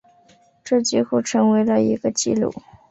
这几乎已经成为了一个记录。